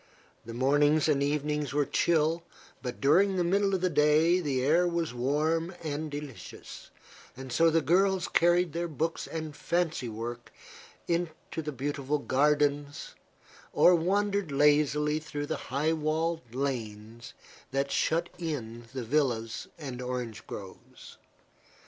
The mornings and evenings were chill, but during the middle of the day the air was warm and delicious; so the girls carried their books and fancy work into the beautiful gardens or wandered lazily through the high walled lanes that shut in the villas and orange groves.